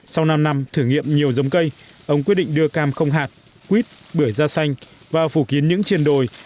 sau năm năm thử nghiệm nhiều giống cây ông quyết định đưa cam không hạt quýt bưởi da xanh và phủ kiến những triền đồi